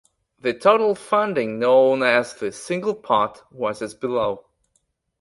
The total funding known as the 'Single Pot' was as below.